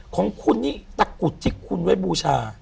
ของคุณนี่ตะกรุดที่คุณไว้บูชา